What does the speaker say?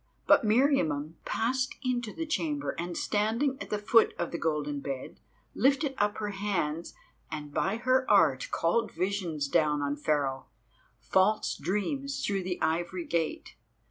But Meriamun passed into the chamber, and standing at the foot of the golden bed, lifted up her hands and by her art called visions down on Pharaoh, false dreams through the Ivory Gate.